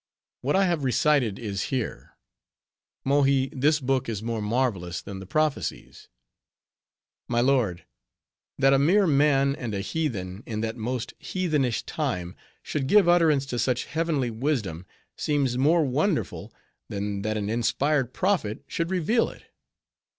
What I have recited, Is here. Mohi, this book is more marvelous than the prophecies. My lord, that a mere man, and a heathen, in that most heathenish time, should give utterance to such heavenly wisdom, seems more wonderful than that an inspired prophet should reveal it.